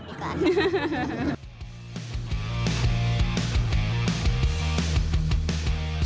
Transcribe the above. ติดจิ้มชาติก่อนดีกว่า